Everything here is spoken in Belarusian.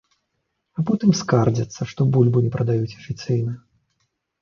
А потым скардзяцца, што бульбу не прадаюць афіцыйна.